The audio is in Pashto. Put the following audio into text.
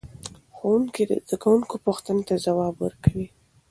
ښوونکي د زده کوونکو پوښتنو ته ځواب ورکوي.